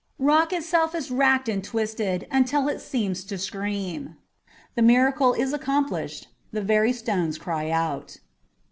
Rock itself is racked and twisted, until it seems to scream. The miracle is accomplished ; the very stones cry out.